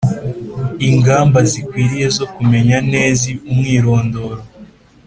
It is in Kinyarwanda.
ingamba zikwiriye zo kumenya neza umwirondoro